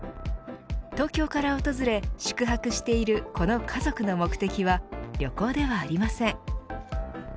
東京から訪れ、宿泊しているこの家族の目的は旅行ではありません。